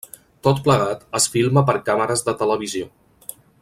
Tot plegat es filma per càmeres de televisió.